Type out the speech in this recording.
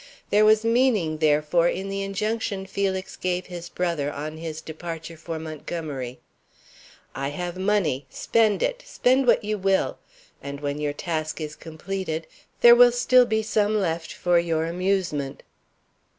There was meaning, therefore, in the injunction Felix gave his brother on his departure for Montgomery: "I have money; spend it; spend what you will, and when your task is completed, there will still be some left for your amusement."